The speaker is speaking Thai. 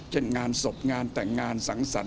เช่นงานศพงานแต่งงานสังสรรค